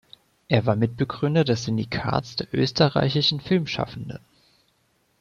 Er war Mitbegründer des Syndikats der Österreichischen Filmschaffenden.